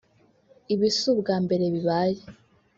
Ibi si ubwa mbere bibaye